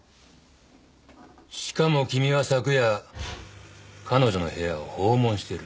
しかも君は昨夜彼女の部屋を訪問している。